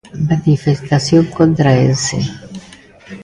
Manifestación contra Ence.